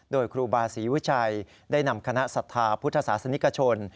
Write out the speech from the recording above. โดยครูบาศรีวิชัยได้นำคณะศรัทธาพุทธศาสนิกชน